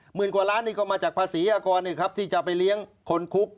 กว่าล้านนี่ก็มาจากภาษีอากรที่จะไปเลี้ยงคนคุก